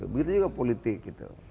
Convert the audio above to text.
begitu juga politik